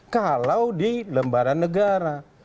kalau di lembaran negara